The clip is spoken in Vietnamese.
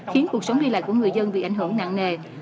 khiến cuộc sống đi lại của người dân bị ảnh hưởng nặng nề